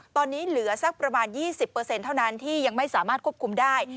ตอนนี้เหลือสักประมาณ๒๐เท่านั้นที่ยังไม่สามารถควบคุมได้